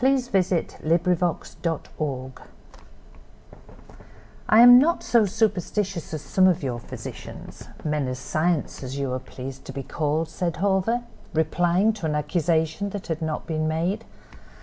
A DIAGNOSIS OF DEATH "I am not so superstitious as some of your physicians—men of science, as you are pleased to be called," said Hawver, replying to an accusation that had not been made.